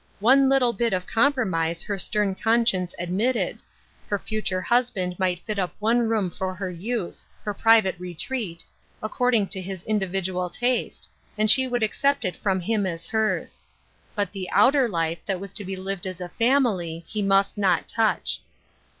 One little bit of compromise her stern conscience admitted — her future husband might fit up one room for her use — her private retreat — according to his 268 Ruth Er8\ine's Crosses. individual taste, and she would accept it from him as hers. But the outer life, that was to be lived as a family, he must not touch.